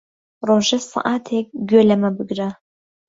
ڕۆژێ سەعاتێک گوێ لەمە بگرە.